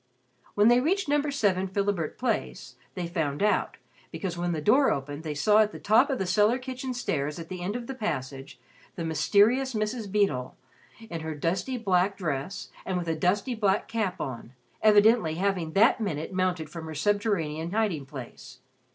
When they reached No. 7 Philibert Place, they found out, because when the door opened they saw at the top of cellar kitchen stairs at the end of the passage, the mysterious Mrs. Beedle, in her dusty black dress and with a dusty black cap on, evidently having that minute mounted from her subterranean hiding place.